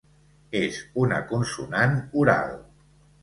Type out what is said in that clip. És una consonant oral.